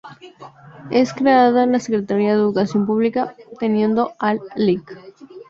Es creada la Secretaría de Educación Pública, teniendo al Lic.